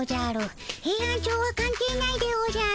ヘイアンチョウはかん係ないでおじゃる。